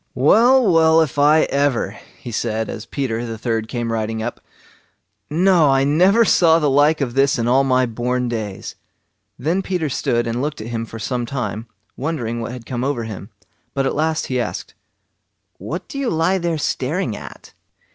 "Well, well, if I ever!" he said, as Peter the third came riding up. "No! I never saw the like of this in all my born days!" Then Peter stood and looked at him for some time, wondering what had come over him; but at last he asked: "What do you lie there staring at?"